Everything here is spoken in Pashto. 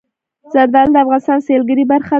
زردالو د افغانستان د سیلګرۍ برخه ده.